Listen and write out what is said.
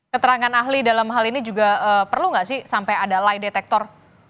keterangan ahli dalam hal ini juga perlu nggak sih sampai ada lie detector